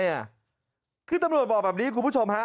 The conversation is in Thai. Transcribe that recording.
คือตำรวจบอกแบบนี้คุณผู้ชมฮะ